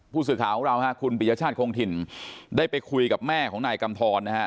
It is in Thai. ผู้สินค้าของเราคุณพิยชาทโคนทินได้ไปคุยกับแม่ของนายกำทรนะฮะ